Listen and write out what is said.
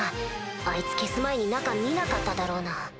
あいつ消す前に中見なかっただろうな。